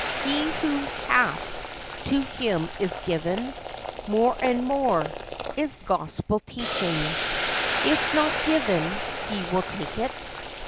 He who hath, to him is given More and more. It's Gospel teaching. If not given, he will take it!